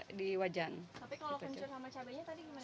tapi kalau kencur sama cabainya tadi gimana